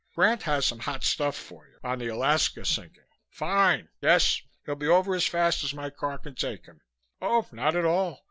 Grant has some hot stuff for you, on the Alaska sinking Fine! Yes, he'll be over as fast as my car can take him. Oh, not at all.